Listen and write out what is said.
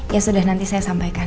ya sudah nanti saya sampaikan